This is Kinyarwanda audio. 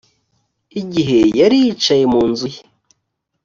igihe yari yicaye mu nzu ye